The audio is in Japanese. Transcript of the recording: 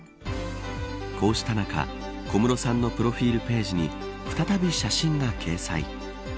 こうした中小室さんのプロフィルページに再び写真が掲載。